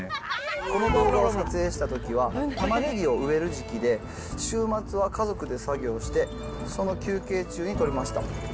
この動画を撮影したときは、玉ねぎを植える時期で、週末は家族で作業して、その休憩中に撮りました。